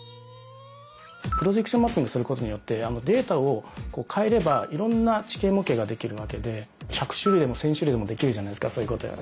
プロジェクションマッピングすることによってデータを変えればいろんな地形模型ができるわけで１００種類でも１，０００種類でもできるじゃないですか。